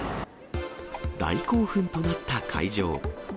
大興奮となった会場。